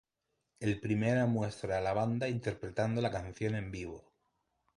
El primera muestra a la banda interpretando la canción en vivo.